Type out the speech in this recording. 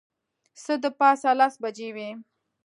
څه د پاسه لس بجې وې.